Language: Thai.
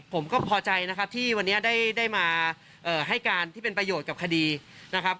ผมก็พอใจนะครับที่วันนี้ได้มาให้การที่เป็นประโยชน์กับคดีนะครับ